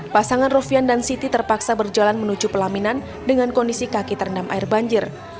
pasangan rofian dan siti terpaksa berjalan menuju pelaminan dengan kondisi kaki terendam air banjir